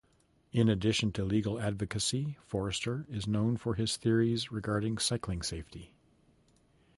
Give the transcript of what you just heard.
In addition to legal advocacy, Forester is known for his theories regarding cycling safety.